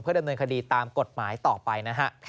เพื่อดำเนินคดีตามกฎหมายต่อไปนะครับ